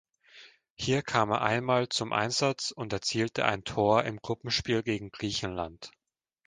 Hier kam er einmal zum Einsatz und erzielte ein Tor im Gruppenspiel gegen Griechenland.